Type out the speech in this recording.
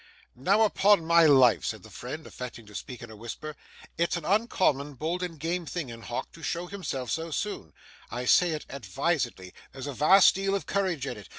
'Now, upon my life,' said the friend, affecting to speak in a whisper, 'it's an uncommonly bold and game thing in Hawk to show himself so soon. I say it advisedly; there's a vast deal of courage in it.